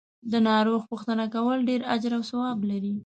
د ناروغ پو ښتنه کول ډیر اجر او ثواب لری .